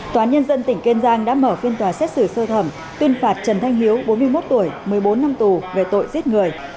tòa án nhân dân tỉnh kiên giang đã mở phiên tòa xét xử sơ thẩm tuyên phạt trần thanh hiếu bốn mươi một tuổi một mươi bốn năm tù về tội giết người